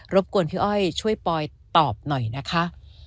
บกวนพี่อ้อยช่วยปอยตอบหน่อยนะคะ